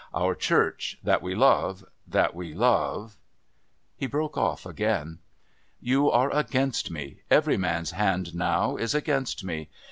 Our Church that we love that we love " He broke off again. "You are against me. Every man's hand now is against me.